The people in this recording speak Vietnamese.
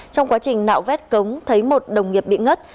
trong quá trình nạo vét cống thấy một đồng nghiệp bị ngất